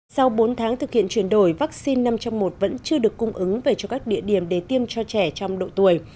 sau bốn tháng thực hiện chuyển đổi vaccine năm trong một vẫn chưa được cung ứng về cho các địa điểm để tiêm cho trẻ trong độ tuổi